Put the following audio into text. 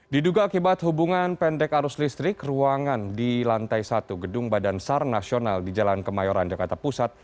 diduga akibat hubungan pendek arus listrik ruangan di lantai satu gedung badan sar nasional di jalan kemayoran jakarta pusat